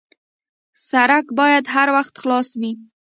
سړک باید هر وخت خلاص وي.